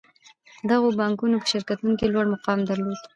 دغو بانکونو په شرکتونو کې لوړ مقام درلود